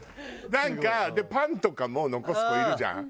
なんかパンとかも残す子いるじゃん。